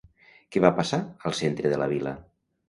Què va passar al Centre de la vila?